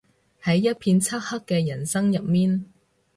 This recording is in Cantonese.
喺一片漆黑嘅人生入面